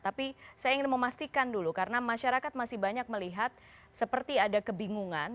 tapi saya ingin memastikan dulu karena masyarakat masih banyak melihat seperti ada kebingungan